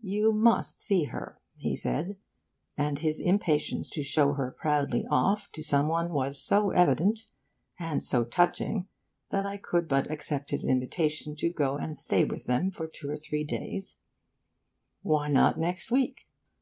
'You must see her,' he said; and his impatience to show her proudly off to some one was so evident, and so touching, that I could but accept his invitation to go and stay with them for two or three days 'why not next week?